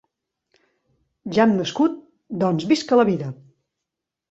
Ja hem nascut, doncs visca la vida!